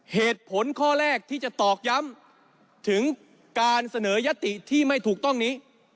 เหตุผลข้อแรกที่จะตอกย้ำถึงการเสนอยติที่ไม่ถูกต้องนี้